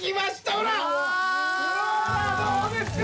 ほらどうですか？